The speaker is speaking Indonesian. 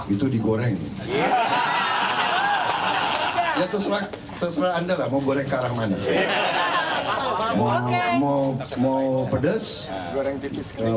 itu digoreng ya terserah terserah anda lah mau goreng karang mana mau mau pedes goreng tipis kalau